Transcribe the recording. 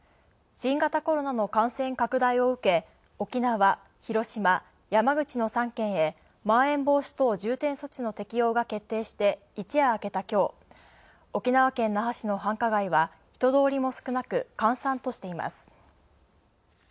新型コロナの感染拡大を受け、沖縄、広島、山口の３県へまん延防止等重点措置の適用が決定して、一夜明けた今日沖縄県那覇市の繁華街は人通りも少なく、閑散としています。